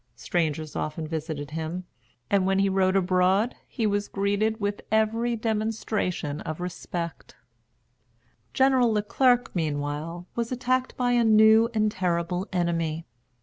Strangers often visited him, and when he rode abroad he was greeted with every demonstration of respect. General Le Clerc, meanwhile, was attacked by a new and terrible enemy.